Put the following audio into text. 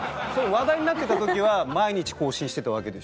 話題になってた時は毎日更新してたわけでしょ？